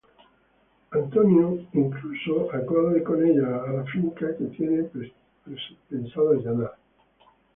Antonio, incluso, acude con ellos a la finca que tienen pensado allanar.